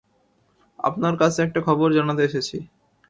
আপনার কাছে একটা খবর জানতে এসেছি।